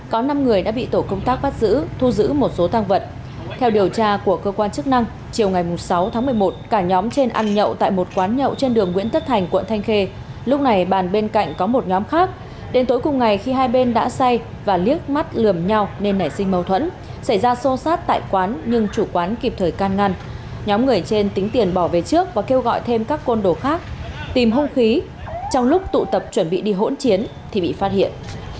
có năm người đã bị tổ công tác bắt giữ thu giữ một số thang vật theo điều tra của cơ quan chức năng chiều ngày sáu tháng một mươi một cả nhóm trên ăn nhậu tại một quán nhậu trên đường nguyễn tất thành quận thanh khê lúc này bàn bên cạnh có một nhóm khác đến tối cùng ngày khi hai bên đã say và liếc mắt lườm nhau nên nảy sinh mâu thuẫn xảy ra xô xát tại quán nhưng chủ quán kịp thời can ngăn nhóm người trên tính tiền bỏ về trước và kêu gọi thêm các con đổ khác tìm hung khí trong lúc tụ tập chuẩn bị đi hỗn chiến thì bị phát hiện